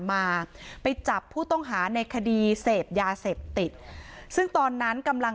มาไปจับผู้ต้องหาในคดีเสพยาเสพติดซึ่งตอนนั้นกำลัง